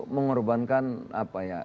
mengorbankan apa ya